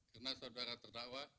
karena saudara terdakwa